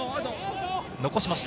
残しました。